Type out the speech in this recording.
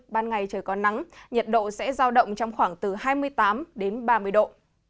ban ngày trời có nắng nhiệt độ sẽ giao động trong khoảng từ hai mươi tám đến ba mươi độ